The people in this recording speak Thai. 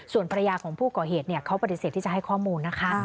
ส่วนภรรยาของผู้ก่อเหตุเขาปฏิเสธที่จะให้ข้อมูลนะคะ